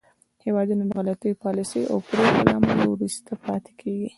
هېوادونه د غلطو پالیسیو او پرېکړو له امله وروسته پاتې کېږي